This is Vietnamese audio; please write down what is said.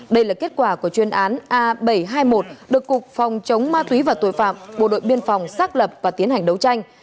đây là kết quả của chuyên án a bảy trăm hai mươi một được cục phòng chống ma túy và tội phạm bộ đội biên phòng xác lập và tiến hành đấu tranh